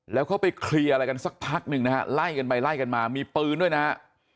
แล้วเขาไปเคลียร์อะไรกันสักพักหนึ่งนะฮะไล่กันไปไล่กันมามีปืนด้วยนะฮะ